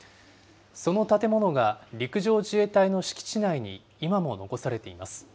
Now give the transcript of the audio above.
その建物が陸上自衛隊の敷地内に今も残されています。